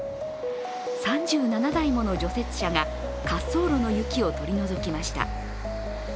３７台もの除雪車が滑走路の雪を取り除きました。